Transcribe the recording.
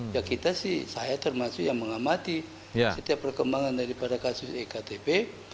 ya kita sih saya termasuk yang mengamati setiap perkembangan daripada kasus ektp